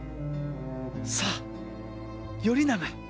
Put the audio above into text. さあ頼長